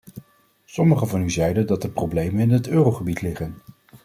Sommigen van u zeiden dat de problemen in het eurogebied liggen.